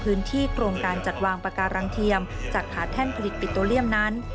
โครงการจัดวางปาการังเทียมจากขาแท่นผลิตปิโตเลียมนั้น